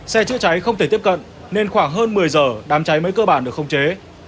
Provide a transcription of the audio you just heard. xe chữa cháy không thể tiếp cận nên khoảng hơn một mươi giờ đám cháy mới cơ bản được khống chế